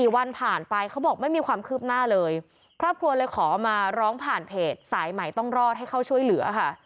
วันผ่านไปเขาบอกไม่มีความคืบหน้าเลยครอบครัวเลยขอมาร้องผ่านเพจสายใหม่ต้องรอดให้เข้าช่วยเหลือค่ะ